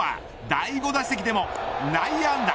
第５打席でも内野安打。